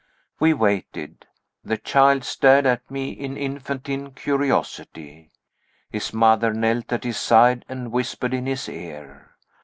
We waited. The child stared at me, in infantine curiosity. His mother knelt at his side, and whispered in his ear.